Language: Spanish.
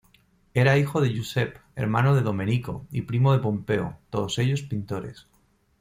Era hijo de Giuseppe, hermano de Domenico y primo de Pompeo, todos ellos pintores.